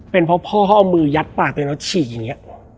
เป็นเพราะพ่อเขาเอามือยัดปากตัวเองแล้วฉีกอย่างนี้